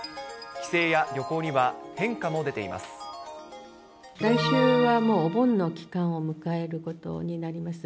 帰省や旅行には変化も出ています。